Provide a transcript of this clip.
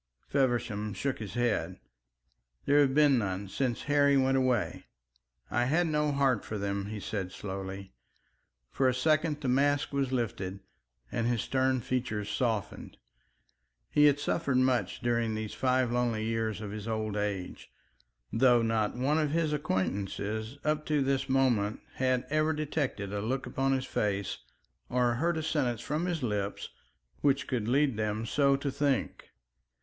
Feversham shook his head. "There have been none since Harry went away. I had no heart for them," he said slowly. For a second the mask was lifted and his stern features softened. He had suffered much during these five lonely years of his old age, though not one of his acquaintances up to this moment had ever detected a look upon his face or heard a sentence from his lips which could lead them so to think.